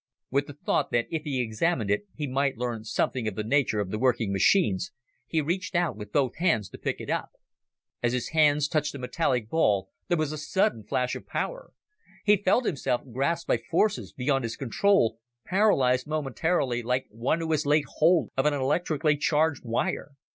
With the thought that if he examined it he might learn something of the nature of the working machines, he reached out with both hands to pick it up. As his hands touched the metallic ball, there was a sudden terrible flash of power. He felt himself grasped by forces beyond his control, paralyzed momentarily like one who has laid hold of an electrically charged wire.